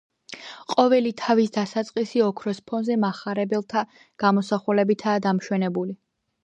ყოველი თავის დასაწყისი ოქროს ფონზე მახარებელთა გამოსახულებითაა დამშვენებული.